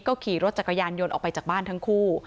ขี่รถจักรยานยนต์ออกไปจากบ้านทั้งคู่